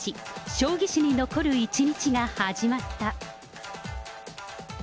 将棋史に残る一日が始まった。